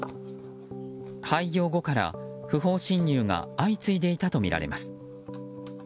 廃業後から、不法侵入が相次いでいたとみられます。